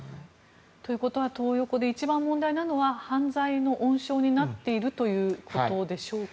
ということはトー横で一番問題なのは犯罪の温床になっているということでしょうか。